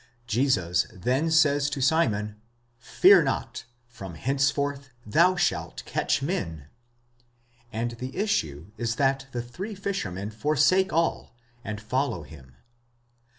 Jesus then says to Simon, Fear not; from hence Jorth thou shalt catch men, and the issue is that the three fishermen forsake all,. and follow him.